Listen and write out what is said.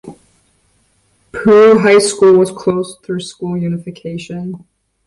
Peru High School was closed through school unification.